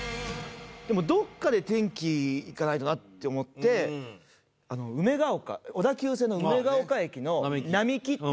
でもどこかで転機がないとなって思って梅ヶ丘小田急線の梅ヶ丘駅の並木っていう生地屋さん。